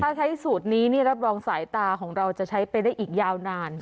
ถ้าใช้สูตรนี้นี่รับรองสายตาของเราจะใช้ไปได้อีกยาวนาน